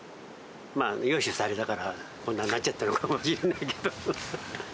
まあ、よいしょされたから、こんなんなっちゃったのかもしれないけど。